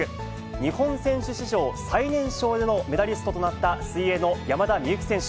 日本選手史上、最年少でのメダリストとなった水泳の山田美幸選手。